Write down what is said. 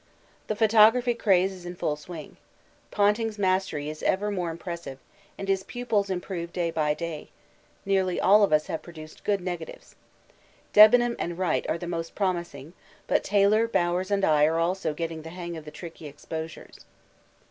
The photography craze is in full swing. Ponting's mastery is ever more impressive, and his pupils improve day by day; nearly all of us have produced good negatives. Debenham and Wright are the most promising, but Taylor, Bowers and I are also getting the hang of the tricky exposures.